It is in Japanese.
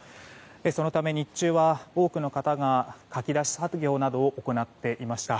そのため、日中は多くの方がかき出し作業など行っていました。